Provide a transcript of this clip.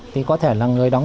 thì có thể là người đang